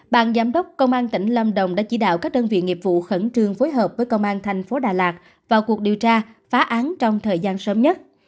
bàn giám đốc công an tỉnh lâm đồng đã chỉ đạo các đơn vị nghiệp vụ khẩn trương phối hợp với công an thành phố đà lạt vào cuộc điều tra phá án trong thời gian sớm nhất